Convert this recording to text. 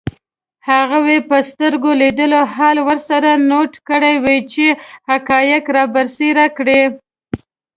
هغوی به سترګو لیدلی حال ورسره نوټ کړی وي چي حقایق رابرسېره کړي